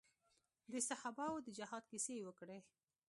د صحابه وو د جهاد کيسې يې وکړې.